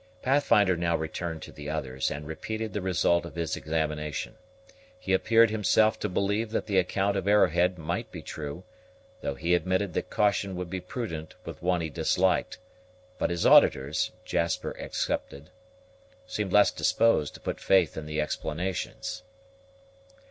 Pathfinder now returned to the others, and repeated the result of his examination. He appeared himself to believe that the account of Arrowhead might be true, though he admitted that caution would be prudent with one he disliked; but his auditors, Jasper excepted, seemed less disposed to put faith in the explanations.